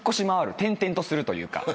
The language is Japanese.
転々とするというか。